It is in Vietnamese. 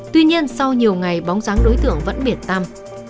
tuy nhiên sau nhiều ngày bóng dáng đối tượng vẫn biệt tâm